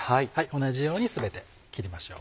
同じように全て切りましょう。